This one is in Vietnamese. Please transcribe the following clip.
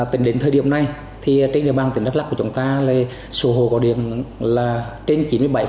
tính đến thời điểm này thì trên địa bàn tỉnh đắk lắc của chúng ta là số hồ có điện là trên chín mươi bảy